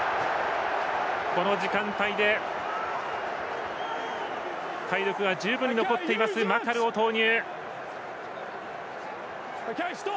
この時間帯で体力は十分残っているマカルを投入。